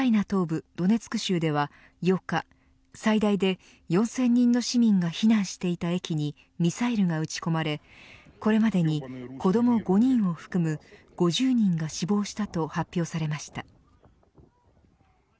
東部ドネツク州では８日、最大４０００人の市民が避難していた地区にミサイルが撃ち込まれこれまでに子ども５人を含む５０人が死亡したと発表されました。